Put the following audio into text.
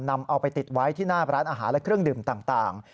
นำเอาไปติดไว้ที่หน้าร้านอาหารและเครื่องดื่มต่าง